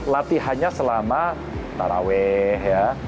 latihannya selama taraweh ya